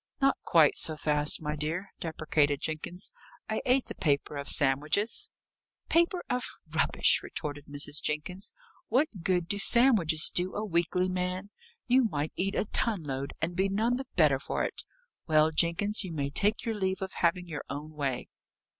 "Not quite so fast, my dear," deprecated Jenkins. "I ate the paper of sandwiches." "Paper of rubbish!" retorted Mrs. Jenkins. "What good do sandwiches do a weakly man? You might eat a ton load, and be none the better for it. Well, Jenkins, you may take your leave of having your own way."